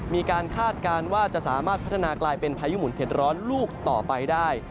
คาดการณ์ว่าจะสามารถพัฒนากลายเป็นพายุหมุนเข็ดร้อนลูกต่อไปได้